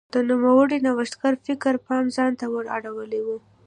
د نوموړي نوښتګر فکر پام ځان ته ور اړولی و.